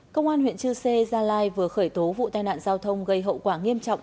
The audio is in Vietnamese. công an huyện chư sê gia lai vừa khởi tố vụ tai nạn giao thông gây hậu quả nghiêm trọng